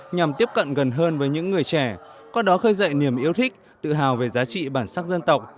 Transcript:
nhằm tiếp cận gần hơn với những người trẻ qua đó khơi dậy niềm yêu thích tự hào về giá trị bản sắc dân tộc